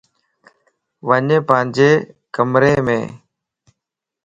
وڃ پانجي ڪم يم